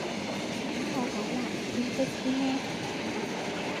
噉我講壞消息先啦